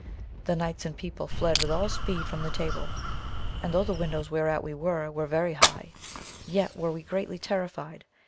The knights and people fled with all speed from the table, and though the windows whereat we were were very high, yet were we greatly terrified.